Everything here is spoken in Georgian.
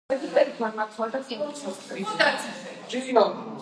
ანთროპოლოგიურად მიეკუთვნება ევროპეიდული რასის ინდო-მედიტერანეულ შტოს.